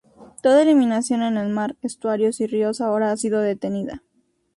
Toda eliminación en el mar, estuarios y ríos ahora ha sido detenida.